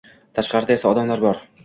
Tashqarida esa odamlar bor.